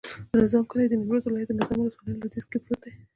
د نظام کلی د نیمروز ولایت، نظام ولسوالي په لویدیځ کې پروت دی.